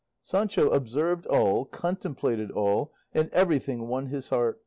Sancho observed all, contemplated all, and everything won his heart.